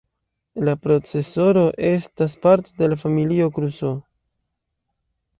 La procesoro estas parto de familio Crusoe.